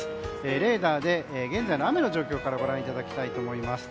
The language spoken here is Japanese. レーダーで現在の雨の状況からご覧いただきたいと思います。